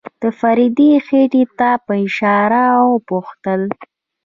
د فريدې خېټې ته په اشاره وپوښتل.